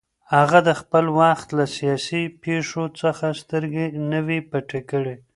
هغه د خپل وخت له سیاسي پېښو څخه سترګې نه وې پټې کړې